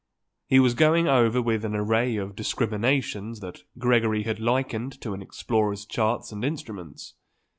He was going over with an array of discriminations that Gregory had likened to an explorer's charts and instruments.